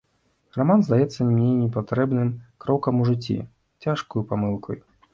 Раман здаецца мне непатрэбным крокам у жыцці, цяжкаю памылкаю.